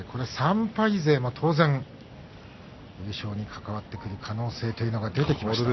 ３敗勢も当然優勝に関わってくる可能性が出てきました。